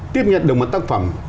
tiếp nhận được một tác phẩm